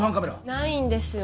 ないんですよ